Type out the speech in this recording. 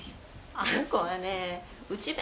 あの子はね内弁